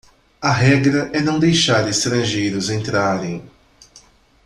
A regra é não deixar estrangeiros entrarem.